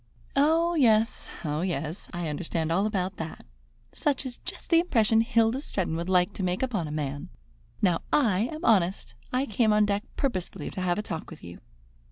"Oh, yes, oh, yes; I understand all about that. Such is just the impression Hilda Stretton would like to make upon a man. Now I am honest. I came on deck purposely to have a talk with you."